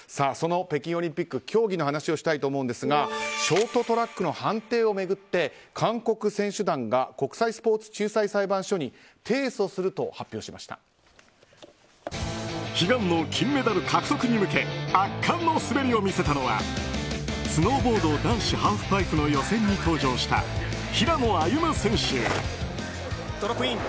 その北京オリンピック競技の話をしたいと思うんですがショートトラックの判定を巡って韓国選手団が国際スポーツ仲裁裁判所に悲願の金メダル獲得へ向け圧巻の滑りを見せたのはスノーボード男子ハーフパイプの予選に登場した平野歩夢選手。